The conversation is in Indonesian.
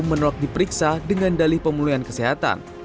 menolak diperiksa dengan dalih pemulihan kesehatan